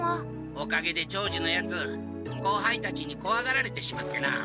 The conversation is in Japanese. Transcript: おかげで長次のヤツ後輩たちにこわがられてしまってな。